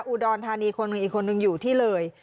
อุดรธานีคนหนึ่งอีกคนนึงอยู่ที่เลย